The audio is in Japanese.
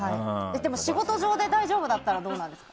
仕事上で大丈夫だったらどうなんですか？